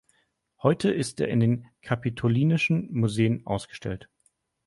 Heute ist er in den Kapitolinischen Museen ausgestellt.